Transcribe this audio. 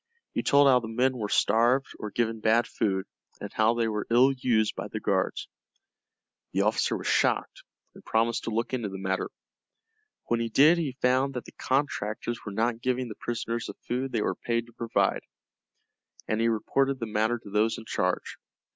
He told how the men were starved or given bad food, and how they were ill used by the guards. The officer was shocked and promised to look into the matter. When he did he found that the contractors were not giving the prisoners the food they were paid to provide, and he reported the matter to those in charge.